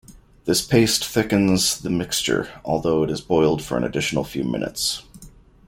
This paste thickens the mixture, although it is boiled for an additional few minutes.